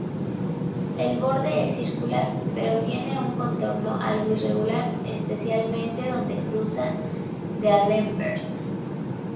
El borde es circular, pero tiene un contorno algo irregular, especialmente donde cruza D'Alembert.